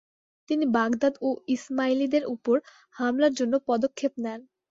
তিনি বাগদাদ ও ইসমাইলিদের উপর হামলার জন্য পদক্ষেপ নেন।